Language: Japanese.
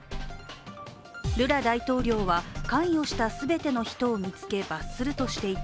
ルラ大統領は関与した全ての人を見つけ罰するとしていて